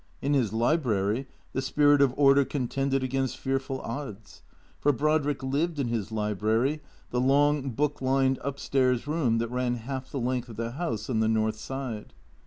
In his library the spirit of order contended against fearful odds. For Brodrick lived in his library, the long, book lined, up stairs room that ran half the length of the house on the north side.